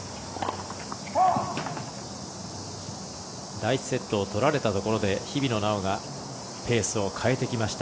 第１セットを取られたところで日比野菜緒がペースを変えてきました。